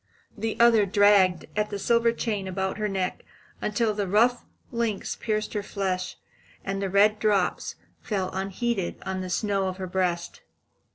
The other dragged at the silver chain about her neck until the rough links pierced her flesh, and the red drops fell unheeded on the snow of her breast.